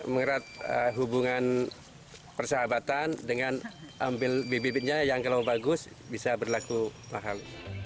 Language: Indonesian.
mengerat hubungan persahabatan dengan ambil bibitnya yang kalau bagus bisa berlaku mahal